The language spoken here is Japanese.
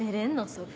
それ。